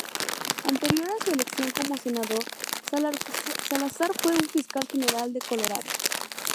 Anterior a su elección como senador, Salazar fue fiscal general de Colorado.